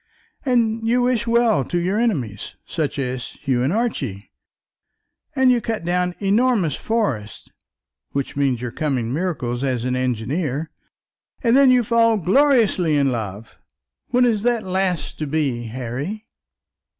and you wish well to your enemies, such as Hugh and Archie; and you cut down enormous forests, which means your coming miracles as an engineer; and then you fall gloriously in love. When is that last to be, Harry?"